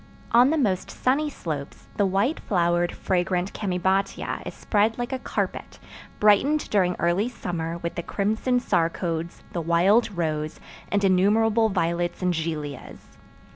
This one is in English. On the most sunny slopes the white flowered, fragrant chamaebatia is spread like a carpet, brightened during early summer with the crimson sarcodes, the wild rose, and innumerable violets and gilias.